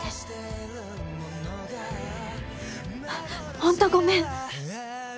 本当ごめん！